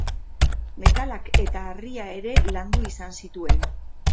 Metalak eta harria ere landu izan zituen.